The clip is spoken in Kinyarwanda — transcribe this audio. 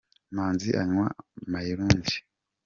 Manzi anywa mayirungi.